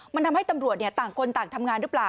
มันทำให้ตำรวจต่างคนต่างทำงานหรือเปล่า